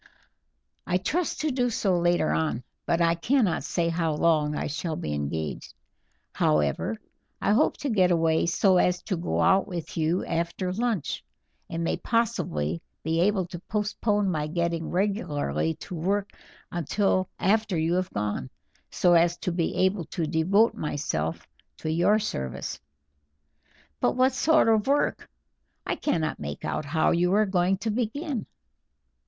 "I trust to do so later on, but I cannot say how long I shall be engaged. However, I hope to get away so as to go out with you after lunch, and may possibly be able to postpone my getting regularly to work until after you have gone, so as to be able to devote myself to your service." "But what sort of work? I cannot make out how you are going to begin."